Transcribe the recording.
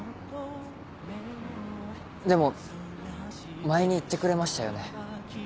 でも前に言ってくれましたよね。